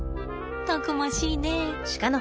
たくましいね。